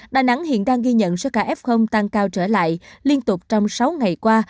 đà nẵng hiện đang ghi nhận số ca f tăng cao trở lại liên tục trong sáu ngày qua